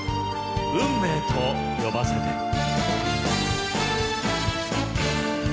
「運命と呼ばせて」。